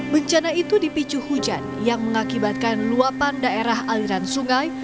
bencana itu dipicu hujan yang mengakibatkan luapan daerah aliran sungai